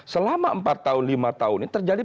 selama empat tahun lima tahun ini terjadi